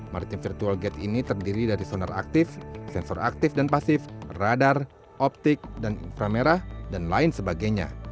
maritim virtual gate ini terdiri dari sonar aktif sensor aktif dan pasif radar optik dan inframerah dan lain sebagainya